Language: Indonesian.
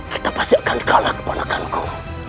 kita pasti akan kalah keponakanku